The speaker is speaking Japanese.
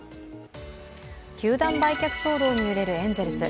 球団売却騒動に揺れるエンゼルス。